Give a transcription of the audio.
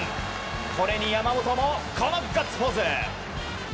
これに山本もこのガッツポーズ。